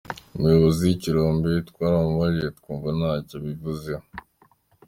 Umuyobozi w’ikirombe twaramubajije twumva ntacyo abivuzeho.